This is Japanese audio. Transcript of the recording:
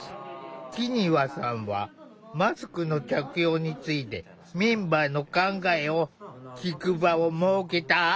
木庭さんはマスクの着用についてメンバーの考えを聞く場を設けた。